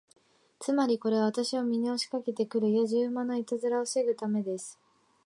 つまり、これは私を見に押しかけて来るやじ馬のいたずらを防ぐためです。